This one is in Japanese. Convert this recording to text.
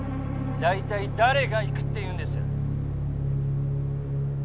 大体誰が行くっていうんです？